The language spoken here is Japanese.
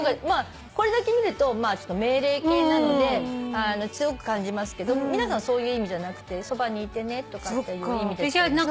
これだけ見ると命令形なので強く感じますけど皆さんそういう意味じゃなくてそばにいてねとかっていう意味。